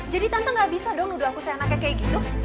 jadi tante gak bisa dong nuduh aku sayang anaknya kayak gitu